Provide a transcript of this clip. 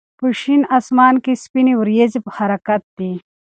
په شین اسمان کې سپینې وريځې په حرکت دي.